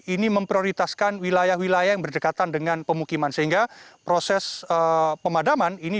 ini memprioritaskan wilayah wilayah yang berdekatan dengan pemukiman sehingga proses pemadaman ini